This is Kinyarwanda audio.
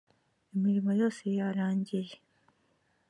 imirimo yose yarangiye.